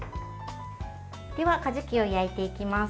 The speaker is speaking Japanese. では、かじきを焼いていきます。